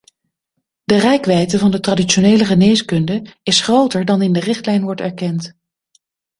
De reikwijdte van de traditionele geneeskunde is groter dan in de richtlijn wordt erkend.